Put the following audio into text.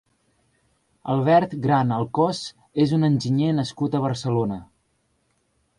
Albert Gran Alcoz és un enginyer nascut a Barcelona.